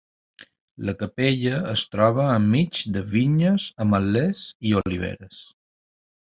La capella es troba enmig de vinyes, ametllers i oliveres.